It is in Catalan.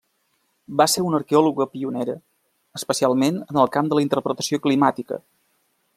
Va ser una arqueòloga pionera, especialment en el camp de la interpretació climàtica.